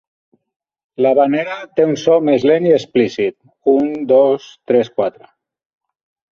L'habanera té un so més lent i explícit, "un, dos, tres-quatre".